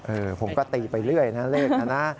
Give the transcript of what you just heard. ผมก็ตีไปเรื่อยนะเลขนะนะ